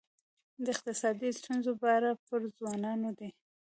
د اقتصادي ستونزو بار پر ځوانانو دی.